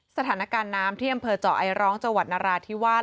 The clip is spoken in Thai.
สถานการณ์น้ำที่อำเภอเจาะไอร้องจังหวัดนราธิวาส